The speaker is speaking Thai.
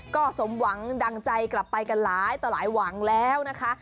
ก็สมหวังดังใจกลับไปกันหลายต่อหลายหวังแล้วนะคะ